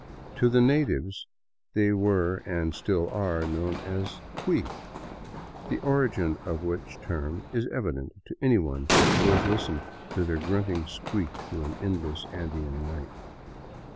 To the natives they were, and still are, known as cui (kwee), the origin of which term is evident to anyone who has listened to their grunting squeak through an endless Andean night.